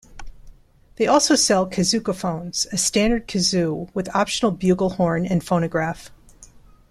They also sell Kazookaphones, a standard kazoo with optional bugle horn and phonograph.